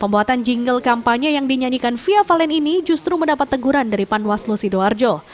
pembuatan jingle kampanye yang dinyanyikan fia valen ini justru mendapat teguran dari panwaslu sidoarjo